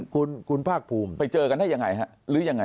คุณภาคภูมิไปเจอกันได้ยังไงฮะหรือยังไง